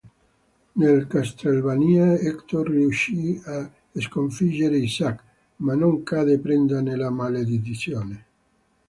Nel Castlevania, Hector riuscì a sconfiggere Isaac, ma non cadde preda della maledizione.